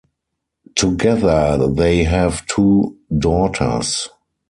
Together they have two daughters.